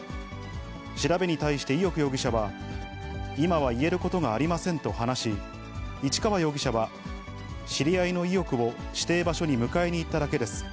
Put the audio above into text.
調べに対して、伊能容疑者は、今は言えることがありませんと話し、市川容疑者は知り合いの伊能を指定場所に迎えに行っただけです。